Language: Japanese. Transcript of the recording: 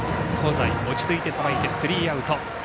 香西、落ち着いてさばいてスリーアウト。